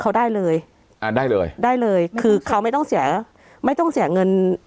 เขาได้เลยอ่าได้เลยได้เลยคือเขาไม่ต้องเสียไม่ต้องเสียเงิน